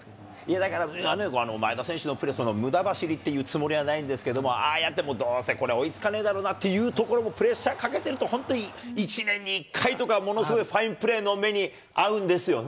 だから、前田選手のプレー、むだ走りっていうつもりはないんですけど、ああやってもどうせ追いつかないだろうなっていうところも、プレッシャーかけてると、本当に１年に１回とか、ものすごいファインプレーの目にあうんですよね。